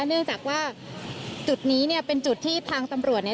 เนื่องจากว่าจุดนี้เนี่ยเป็นจุดที่ทางตำรวจเนี่ย